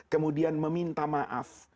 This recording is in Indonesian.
kemudian meminta maaf